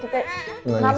kamu mau gak